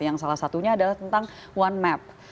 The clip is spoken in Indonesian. yang salah satunya adalah tentang one map